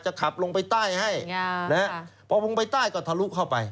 ขับลงไปใต้ให้พอลงไปใต้ก็ทะลุเข้าไป